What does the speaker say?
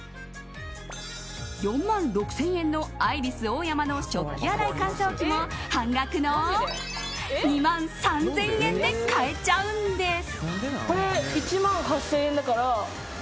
４万６０００円のアイリスオーヤマの食器洗い乾燥機も半額の２万３０００円で買えちゃうんです。